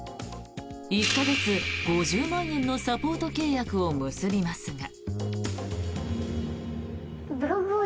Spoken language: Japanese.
１か月５０万円のサポート契約を結びますが。